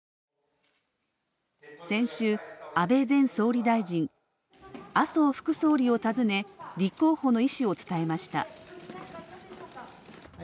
先週、安倍前総理大臣麻生副総理を訪ね立候補の意思を伝えました。